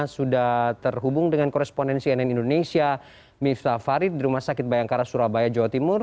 sudah terhubung dengan korespondensi nn indonesia miftah farid di rumah sakit bayangkara surabaya jawa timur